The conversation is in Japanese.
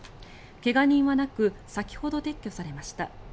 怪我人はなく先ほど、撤去されました。